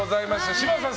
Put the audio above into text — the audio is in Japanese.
柴田さん